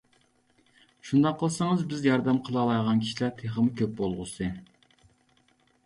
شۇنداق قىلسىڭىز، بىز ياردەم قىلالايدىغان كىشىلەر تېخىمۇ كۆپ بولغۇسى.